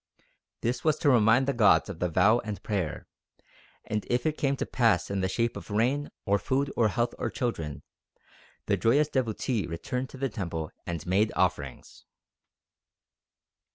This was to remind the gods of the vow and prayer, and if it came to pass in the shape of rain, or food, or health, or children, the joyous devotee returned to the temple and made offerings."